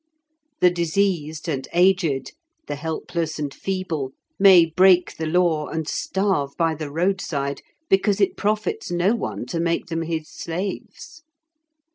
The diseased and aged, the helpless and feeble, may break the law, and starve by the roadside, because it profits no one to make them his slaves.